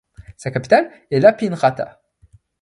Sa capitale est Lappeenranta.